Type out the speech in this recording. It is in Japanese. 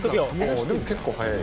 「ああでも結構早い」